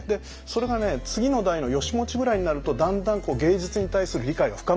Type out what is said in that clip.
それがね次の代の義持ぐらいになるとだんだん芸術に対する理解が深まるんですよ。